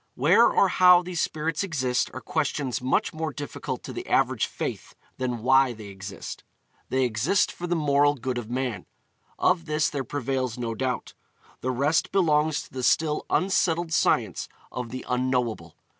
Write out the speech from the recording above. Where or how these spirits exist are questions much more difficult to the average faith than why they exist. They exist for the moral good of man; of this there prevails no doubt. The rest belongs to the still unsettled science of the Unknowable.